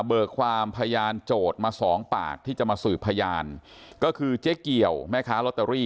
ความพยานโจทย์มาสองปากที่จะมาสืบพยานก็คือเจ๊เกี่ยวแม่ค้าลอตเตอรี่